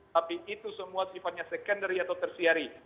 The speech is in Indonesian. tapi itu semua sifatnya secondary atau tersiari